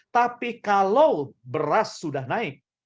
tapi kalau beras sudah naik